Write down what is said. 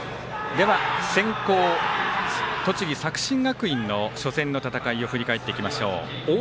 では先攻、栃木、作新学院の初戦の戦いを振り返っていきましょう。